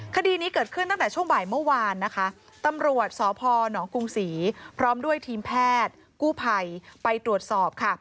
คดีนี้เกิดขึ้นตั้งแต่ช่วงบ่ายเมื่อวานนะคะตำรวจสพนกรุงศรีพร้อมด้วยทีมแพทย์กู้ภัยไปตรวจสอบค่ะ